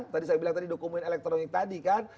tadi saya bilang tadi dokumen elektronik tadi kan